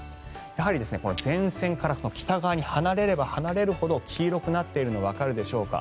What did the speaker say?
やはり前線から北側に離れれば離れるほど黄色くなっているのわかるでしょうか。